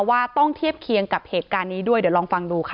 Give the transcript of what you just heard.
ว่าต้องเทียบเคียงกับเหตุการณ์นี้ด้วยเดี๋ยวลองฟังดูค่ะ